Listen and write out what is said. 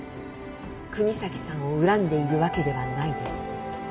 「國東さんを恨んでいるわけではないです」